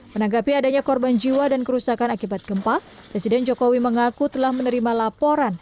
menanggapi adanya korban jiwa dan kerusakan akibat gempa presiden jokowi mengaku telah menerima laporan